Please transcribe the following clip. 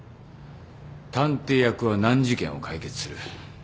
探偵役は難事件を解決する。